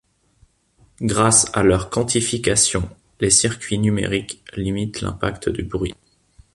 Grâce à leur quantification, les circuits numériques limitent l'impact du bruit.